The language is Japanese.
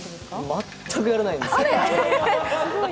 全くやらないんですよ。